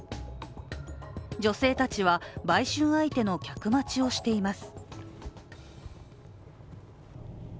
女性たちは売春相手の客待ちをしています。